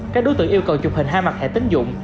các đối tượng yêu cầu chụp hình hai mặt hệ tính dụng